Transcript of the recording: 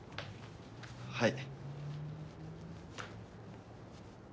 はい。